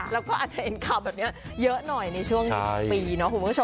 เราก็อาจจะเห็นข่าวแบบนี้เยอะหน่อยในช่วงปี